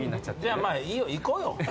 じゃいいよ行こうよ。